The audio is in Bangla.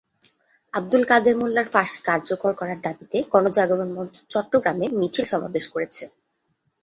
আবদুল কাদের মোল্লার ফাঁসি কার্যকর করার দাবিতে গণজাগরণ মঞ্চ চট্টগ্রামে মিছিল-সমাবেশ করেছে।